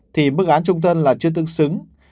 thì bức án trung tân là chưa tương xứng